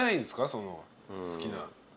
その好きな。